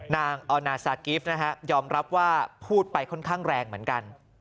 ออนาซากิฟต์นะฮะยอมรับว่าพูดไปค่อนข้างแรงเหมือนกัน